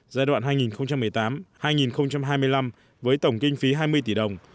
giai đoạn hai nghìn một mươi tám hai nghìn hai mươi năm với tổng kinh phí hai mươi tỷ đồng